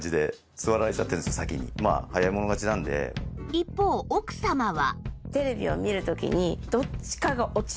一方奥様は